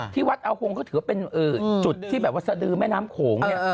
ที่วัดอาหงก็ถือว่าเป็นจุดที่แบบวัศดิ์แม่น้ำโข่ง